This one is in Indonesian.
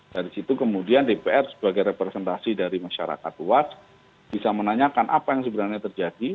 dari situ kemudian dpr sebagai representasi dari masyarakat luas bisa menanyakan apa yang sebenarnya terjadi